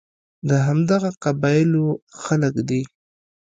د همدغو قبایلو خلک دي.